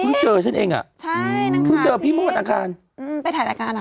เพิ่งเจอฉันเองอ่ะใช่น้องขาพริกเพิ่งเจอพี่มดอังคารอืมไปถ่ายอังคารอ่ะ